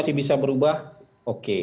masih bisa berubah oke